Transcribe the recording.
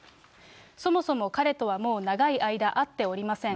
そもそも彼とはもう長い間、会っておりません。